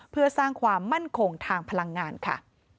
เพื่อสร้างความมั่นคงทางพลังงานค่ะ